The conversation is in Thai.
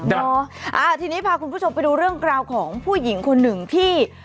เนาะทีนี้พาคุณผู้ชมไปดูเรื่องราวของผู้หญิงคนหนึ่งที่